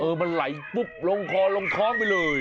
มันไหลปุ๊บลงคอลงท้องไปเลย